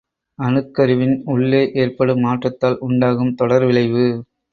அணுக்கருவின் உள்ளே ஏற்படும் மாற்றத்தால் உண்டாகும் தொடர்விளைவு.